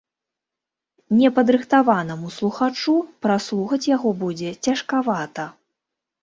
Непадрыхтаванаму слухачу праслухаць яго будзе цяжкавата.